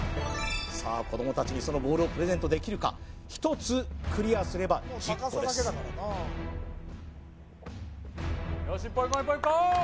さあ子どもたちにそのボールをプレゼントできるか１つクリアすれば１０個ですよし１本いこう！